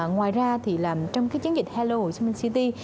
ngoài ra trong chiến dịch hello hồ chí minh city